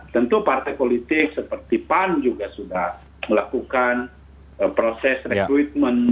tentu partai politik seperti pan juga sudah melakukan proses rekrutmen